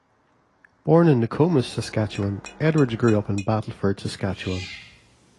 Born in Nokomis, Saskatchewan, Edwards grew up in Battleford, Saskatchewan.